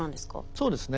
そうですね。